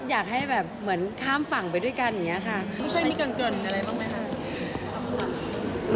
อยากให้แบบเหมือนข้ามฝั่งไปด้วยกันอย่างเงี้ยค่ะผู้ชายมีเกริ่นเกริ่นอะไรบ้างไหมค่ะ